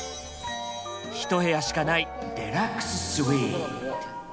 １部屋しかないデラックススイート。